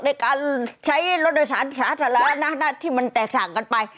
ในการใช้รถในสถานการณ์ที่มันแตกสั่งกันไป